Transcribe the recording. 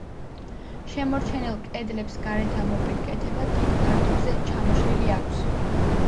შემორჩენილ კედლებს გარეთა მოპირკეთება დიდ ფართობზე ჩამოშლილი აქვს.